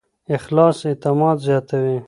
اخلاص اعتماد زیاتوي.